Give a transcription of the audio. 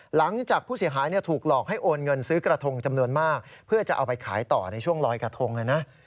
หลังจากผู้เสียหายถูกหลอกให้โอนเงินซื้อกระทงจำนวนมากเพื่อจะเอาไปขายต่อในช่วงลอยกระทงนะ